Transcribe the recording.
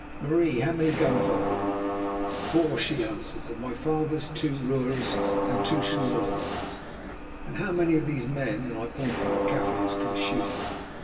Marie, how many guns are there?" "Four," she answered, "of my father's; two roers and two smaller ones." "And how many of these men"—and I pointed to the Kaffirs—"can shoot?"